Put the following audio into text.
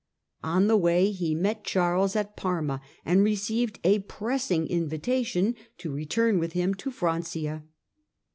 On the way he met Charles at Parma and received a pressing invitation to return with him to Francia.